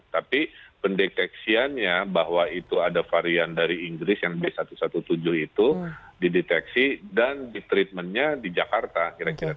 tapi pendeteksiannya bahwa itu ada varian dari inggris yang b satu satu tujuh itu dideteksi dan di treatmentnya di jakarta kira kira